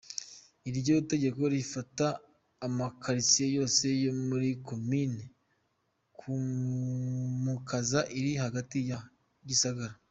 Iryo tegeko rifata amaquartiers yose yo muri komine Mukaza, iri hagati mu gisagara.